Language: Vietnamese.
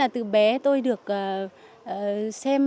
từ bé tôi được xem múa ở các lễ hội diễn ra hàng năm